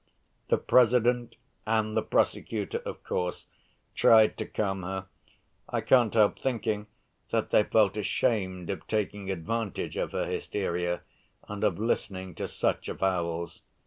The President and the prosecutor, of course, tried to calm her. I can't help thinking that they felt ashamed of taking advantage of her hysteria and of listening to such avowals.